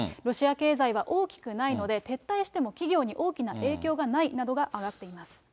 ロシア経済は大きくないので、撤退しても企業に大きな影響がないなどが挙がっています。